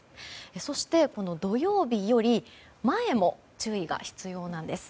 そして、土曜日より前も注意が必要なんです。